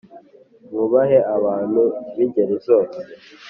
Mwubahe abantu bingeri zose